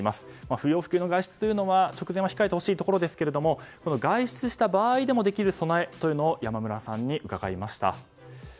不要不急の外出は直前は控えてほしいですが外出した場合でもできる備えというのを山村さんに伺いました。